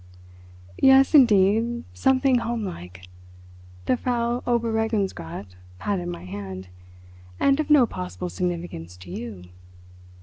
"Yes, indeed, something homelike"—the Frau Oberregierungsrat patted my hand—"and of no possible significance to you."